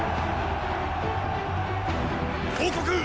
報告！